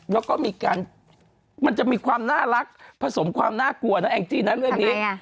และก็มันจะมีความน่ารักผสมความน่ากลัวนะเรื่องนี้